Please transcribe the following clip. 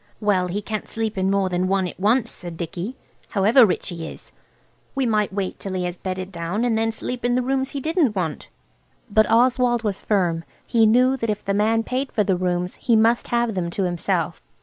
"Well, he can't sleep in more than one at once," said Dicky, "however rich he is. We might wait till he was bedded down and then sleep in the rooms he didn't want." But Oswald was firm. He knew that if the man paid for the rooms he must have them to himself.